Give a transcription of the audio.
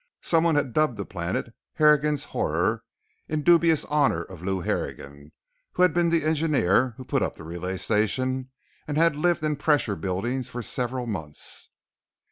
Someone had dubbed the planet Harrigan's Horror in dubious honor of Lew Harrigan, who had been the engineer who put up the relay station and had lived in pressure buildings for several months.